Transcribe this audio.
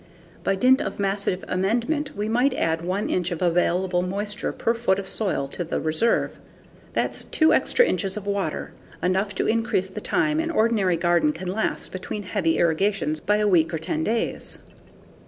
By dint of massive amendment we might add 1 inch of available moisture per foot of soil to the reserve. That's 2 extra inches of water, enough to increase the time an ordinary garden can last between heavy irrigations by a week or 10 days.